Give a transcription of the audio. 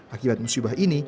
akibat musibah ini